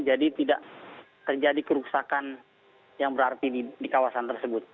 jadi tidak terjadi keruksakan yang berarti di kawasan tersebut